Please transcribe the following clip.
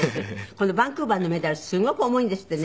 このバンクーバーのメダルすごく重いんですってね。